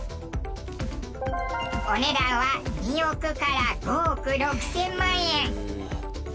お値段は２億から５億６０００万円。